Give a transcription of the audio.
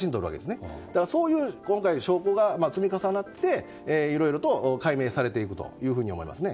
そういう今回証拠が積み重なっていろいろと解明されていくと思いますね。